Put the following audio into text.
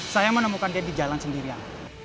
saya menemukan dia di jalan sendirian